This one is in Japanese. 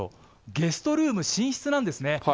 ゲストルーム、寝室なんですね。